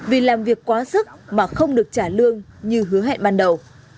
vì làm việc quá sức mà không được trả lương như hứa hẹn ban đầu